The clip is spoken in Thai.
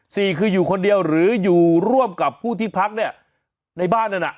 สี่คืออยู่คนเดียวหรืออยู่ร่วมกับผู้ที่พักเนี่ยในบ้านนั้นน่ะ